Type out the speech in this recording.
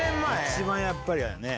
一番やっぱりね。